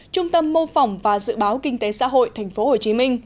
trung tâm mô phỏng và dự báo kinh tế xã hội tp hcm